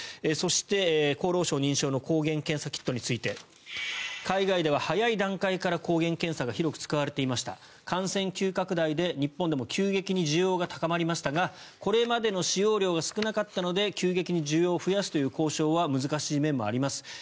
そして、厚労省認証の抗原検査キットについて海外では早い段階から抗原検査が広く使われていました感染急拡大で日本でも急激に需要が高まりましたがこれまでの使用量が少なかったので急激に需要を増やすという交渉は難しい面もあります